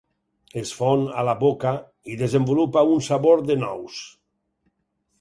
Es fon a la boca, i desenvolupa un sabor de nous.